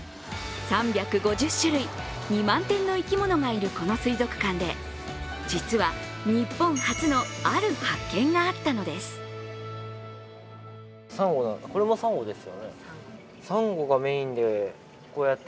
３５０種類、２万点の生き物がいるこの水族館で実は、日本初のある発見があったのです。